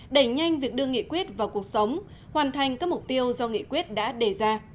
đẩy nhanh việc đưa nghị quyết vào cuộc sống hoàn thành các mục tiêu do nghị quyết đã đề ra